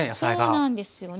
そうなんですよね。